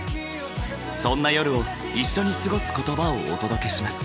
そんな夜を一緒に過ごす言葉をお届けします。